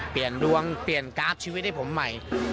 เปลี่ยนดวงเปลี่ยนกราฟชีวิตให้ผมใหม่